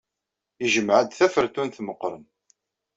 Yejmeɛ-d tafertunt meɣɣren.